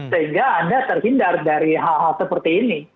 sehingga anda terhindar dari hal hal seperti ini